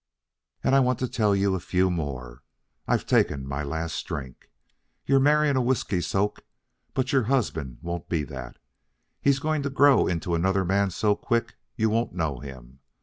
"And I want to tell you a few more. I've taken my last drink. You're marrying a whiskey soak, but your husband won't be that. He's going to grow into another man so quick you won't know him.